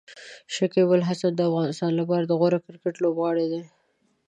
شکيب الحسن د افغانستان لپاره د غوره کرکټ لوبغاړی دی.